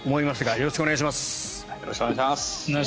よろしくお願いします。